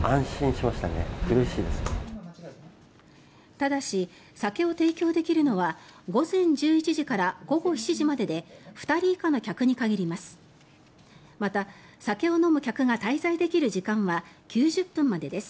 ただし、酒を提供できるのは午前１１時から午後７時までで２人以下の客に限ります。